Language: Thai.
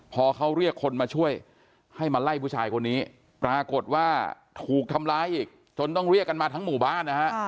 พอเขาเรียกคนมาช่วยให้มาไล่ผู้ชายคนนี้ปรากฏว่าถูกทำร้ายอีกจนต้องเรียกกันมาทั้งหมู่บ้านนะฮะ